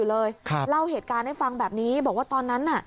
เลยเล่าเหตุการณ์ให้ฟังแบบนี้บอกว่าตอนนั้นน่ะ